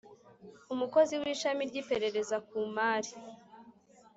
umukozi w Ishami ry Iperereza ku Mari